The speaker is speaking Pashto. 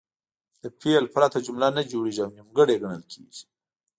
له فعل پرته جمله نه جوړیږي او نیمګړې ګڼل کیږي.